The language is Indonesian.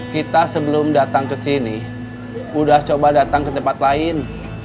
kita sebelum datang ke sini sudah coba datang ke tempat lain